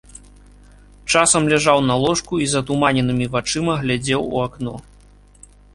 Часам ляжаў на ложку і затуманенымі вачыма глядзеў у акно.